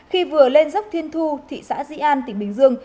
khi vừa lên dốc thiên thu thị xã di an tỉnh bình dương